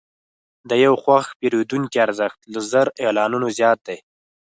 د یو خوښ پیرودونکي ارزښت له زر اعلانونو زیات دی.